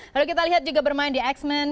lalu kita lihat juga bermain di x men